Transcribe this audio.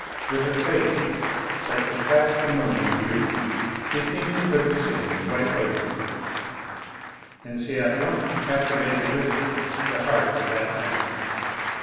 With her face, that surpassed the moon in beauty, she seemed to put to shame the white lotuses, and she at once captivated with it the heart of that prince.